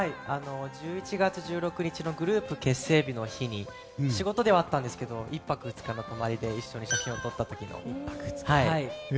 １１月１６日のグループ結成日の日に仕事ではあったんですが１泊２日で一緒に写真を撮った時の。